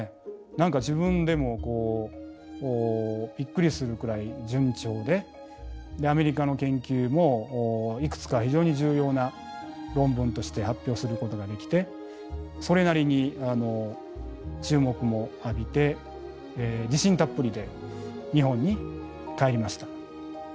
何か自分でもびっくりするくらい順調でアメリカの研究もいくつか非常に重要な論文として発表することができてそれなりに注目も浴びて自信たっぷりで日本に帰りました。